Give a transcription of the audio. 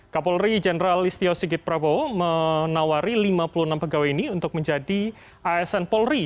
kapolri jenderal istio sigit prabowo menawari lima puluh enam pegawai ini untuk menjadi asn polri